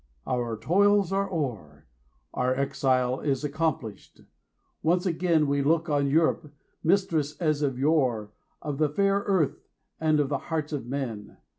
Our toils are o'er, 5 Our exile is accomplished. Once again We look on Europe, mistress as of yore Of the fair earth and of the hearts of men.